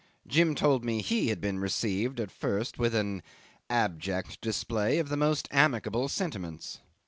Jim told me he had been received at first with an abject display of the most amicable sentiments.